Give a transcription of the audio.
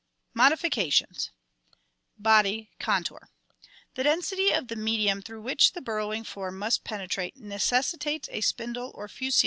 Modifications Body Contour. — The density of the medium through which the burrowing form must penetrate necessitates a spindle or fusiform Fig.